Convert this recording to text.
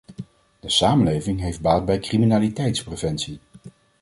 De samenleving heeft baat bij criminaliteitspreventie.